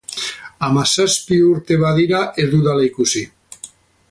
Hamazazpi urte badira ez dudala ikusi.